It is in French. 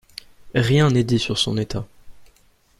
Rien n'est dit sur son état.